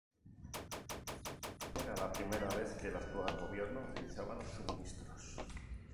Era la primera vez que el actual gobierno utilizaba los suministros.